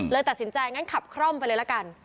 เลยตัดสินใจขับคล่อมไปเลยละกัน